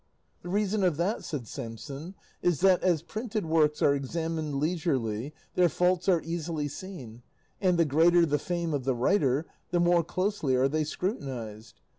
"The reason of that," said Samson, "is, that as printed works are examined leisurely, their faults are easily seen; and the greater the fame of the writer, the more closely are they scrutinised.